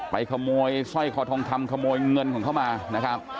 ขโมยสร้อยคอทองคำขโมยเงินของเขามานะครับ